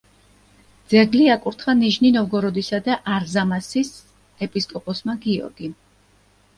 ძეგლი აკურთხა ნიჟნი-ნოვგოროდისა და არზამასის ეპისკოპოსმა გიორგიმ.